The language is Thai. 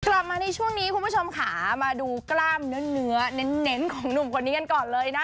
กลับมาในช่วงนี้คุณผู้ชมค่ะมาดูกล้ามเนื้อเน้นของหนุ่มคนนี้กันก่อนเลยนะ